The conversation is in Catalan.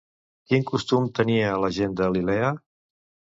Quin costum tenia la gent de Lilea?